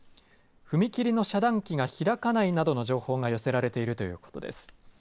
踏み切りの遮断機が開かないなどの情報が寄せられているということです。